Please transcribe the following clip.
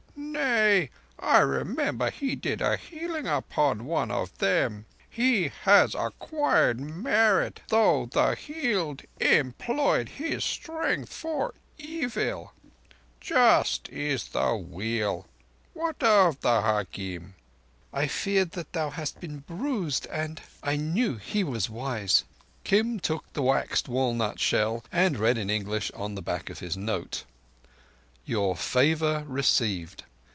Nay, I remember he did a healing upon one of them. He has acquired merit, though the healed employed his strength for evil. Just is the Wheel! What of the hakim?" "I feared that thou hadst been bruised and—and I knew he was wise." Kim took the waxed walnut shell and read in English on the back of his note: _Your favour received.